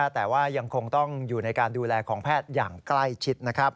แต่ว่ายังคงต้องอยู่ในการดูแลของแพทย์อย่างใกล้ชิดนะครับ